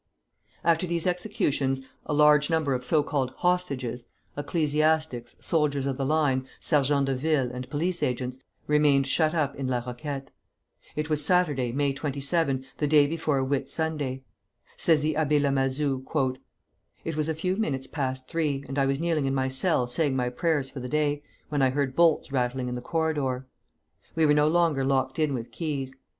After these executions a large number of so called "hostages," ecclesiastics, soldiers of the line, sergents de ville, and police agents remained shut up in La Roquette. It was Saturday, May 27, the day before Whit Sunday. Says the Abbé Lamazou, "It was a few minutes past three, and I was kneeling in my cell saying my prayers for the day, when I heard bolts rattling in the corridor. We were no longer locked in with keys.